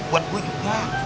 buat gue juga